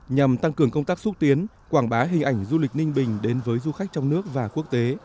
nhằm tăng cường công tác xúc tiến quảng bá hình ảnh du lịch ninh bình đến với du khách trong nước và quốc tế